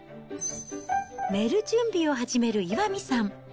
寝る準備を始める岩見さん。